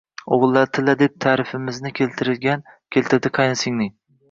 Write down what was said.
O`g`illari tilla, deb ta`rifimizni keltirdi qaynsinglim